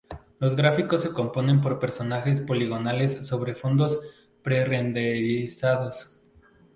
Los gráficos se componen por personajes poligonales sobre fondos pre-renderizados.